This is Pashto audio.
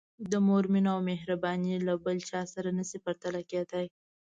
د مور مینه او مهرباني له بل چا سره نه شي پرتله کېدای.